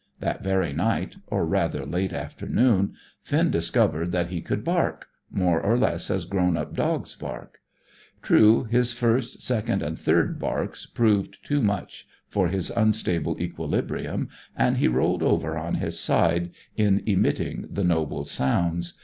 That very night, or rather late afternoon, Finn discovered that he could bark, more or less as grown up dogs bark. True, his first, second, and third barks proved too much for his unstable equilibrium, and he rolled over on his side in emitting the noble sounds.